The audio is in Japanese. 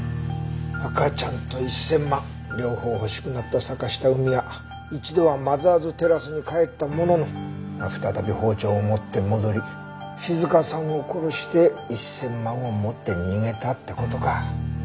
赤ちゃんと１千万両方欲しくなった坂下海は一度はマザーズテラスに帰ったものの再び包丁を持って戻り静香さんを殺して１千万を持って逃げたって事か。